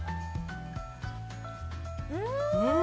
うん！